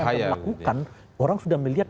kita melakukan orang sudah melihat